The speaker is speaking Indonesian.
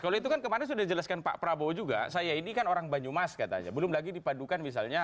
kalau itu kan kemarin sudah dijelaskan pak prabowo juga saya ini kan orang banyumas katanya belum lagi dipadukan misalnya